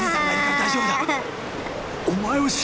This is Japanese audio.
大丈夫だ茂。